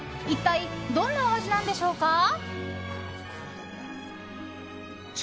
一体、どんなお味なのでしょうか？